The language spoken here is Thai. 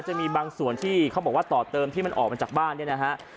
จะมีบางส่วนที่เขาบอกว่าต่อเติมที่มันออกมาจากบ้านเนี่ยนะฮะ